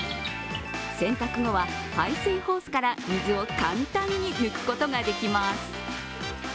洗濯後は、排水ホースから簡単に水を抜くことができます。